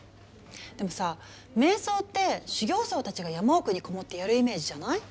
でもさ瞑想って修行僧たちが山奥に籠もってやるイメージじゃない？